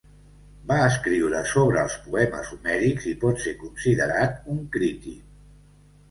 Va escriure sobre els poemes homèrics i pot ser considerat un crític.